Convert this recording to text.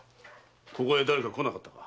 ここへ誰か来なかったか？